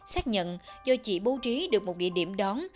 xác nhận do chỉ bố trí được một địa điểm đón